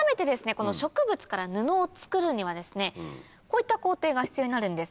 この植物から布を作るにはですねこういった工程が必要になるんです。